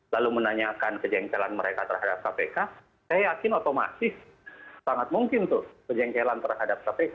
lalu menanyakan kejengkelan mereka terhadap kpk saya yakin otomatis sangat mungkin tuh kejengkelan terhadap kpk